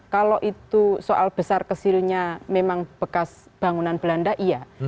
kalau itu soal besar kecilnya memang bekas bangunan belanda iya